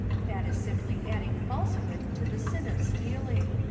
That is simply adding false hood to the sin of stealing.